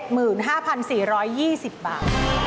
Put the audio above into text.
เทใจไปทั้งไหนก่อนดีกว่า